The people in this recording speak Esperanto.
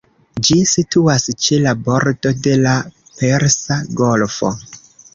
Ĝi situas ĉe la bordo de la Persa Golfo.